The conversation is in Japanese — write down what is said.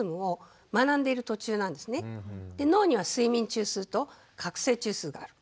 脳には睡眠中枢と覚醒中枢がある。